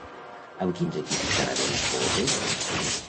Amb quins equips canadencs coopera?